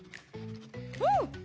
うん！